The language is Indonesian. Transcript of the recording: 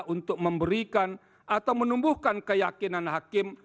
untuk memberikan atau menumbuhkan keyakinan hakim